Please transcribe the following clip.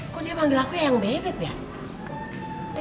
kau dia panggil aku ya yang beb beb ya